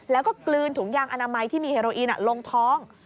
แล้วก็กลืนถุงยางอนามัยที่มีเฮโรอีนลงท้อง